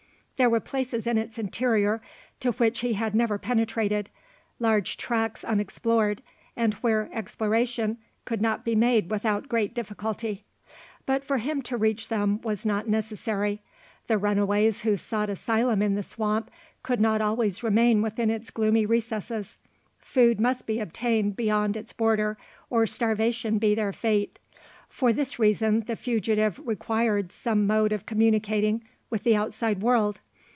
There were places in its interior to which he had never penetrated large tracts unexplored, and where exploration could not be made without great difficulty. But for him to reach them was not necessary. The runaways who sought asylum in the swamp, could not always remain within its gloomy recesses. Food must be obtained beyond its border, or starvation be their fate. For this reason the fugitive required some mode of communicating with the outside world.